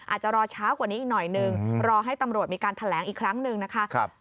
อาจจะรอช้ากว่านี้อีกหน่อยนึงรอให้ตำรวจมีการแถลงอีกครั้งหนึ่งนะคะ